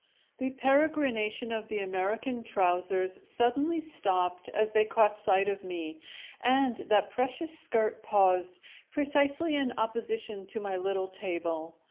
The peregrination of the American trousers suddenly stopped as they caught sight of me, and that precious skirt paused, precisely in opposition to my little table.